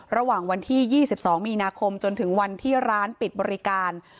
ระหว่างวันที่๒๒มีนาคมจนถึงวันที่ร้านปิดบริการ